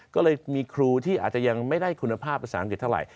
ก็เลยมีครูที่อาจจะยังไม่ได้คุณภาพภาษาอังกฤษเท่าไหร